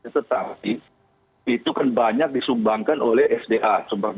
tetapi itu kan banyak disumbangkan oleh sda